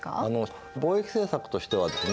貿易政策としてはですね